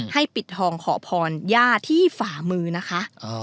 ให้ปิดทองขอผลย่าที่ฝามือนะคะ